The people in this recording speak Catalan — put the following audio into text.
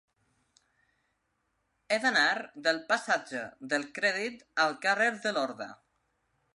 He d'anar del passatge del Crèdit al carrer de Lorda.